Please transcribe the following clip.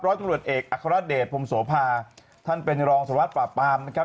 ร้อยตำรวจเอกอัคราเดชพรมโสภาท่านเป็นรองสวรรค์ประปรามนะครับ